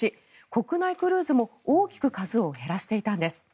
国内クルーズも大きく数を減らしていたんです。